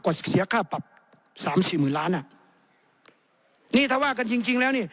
ก็เสียค่าปรับสามสี่หมื่นล้านอ่ะนี่ถ้าว่ากันจริงจริงแล้วนี่